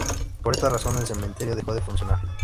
Por esta razón, el cementerio dejó de funcionar.